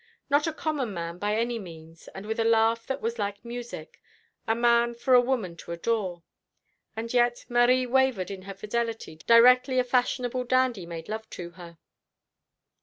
Not a common man by any means, and with a laugh that was like music a man for a woman to adore; and yet Marie wavered in her fidelity directly a fashionable dandy made love to her."